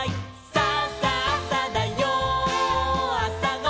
「さあさあさだよあさごはん」